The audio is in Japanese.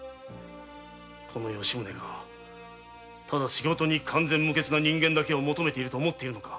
この吉宗がただ仕事に完全無欠な人間だけを求めていると思っているのか。